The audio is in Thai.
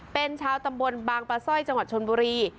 เป็นชาวตำบลบางปลาสร้อยจังหวัดชนบุรี